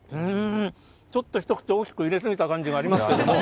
ちょっと一口、大きく入れ過ぎた感じがありますけれども。